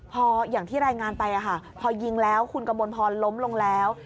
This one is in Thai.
พออย่างที่รายงานไปพอยิงแล้วคุณกระมวลพรล้มลงแล้ว